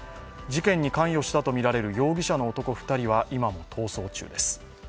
事件に関与したとみられる容疑者の男２人は今も逃走中です。